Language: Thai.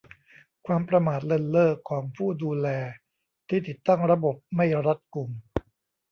ความประมาทเลินเล่อของผู้ดูแลที่ติดตั้งระบบไม่รัดกุม